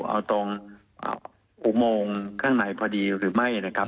เอาตรงอุโมงข้างในพอดีหรือไม่